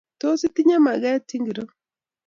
Tos tinyei maget ingiro?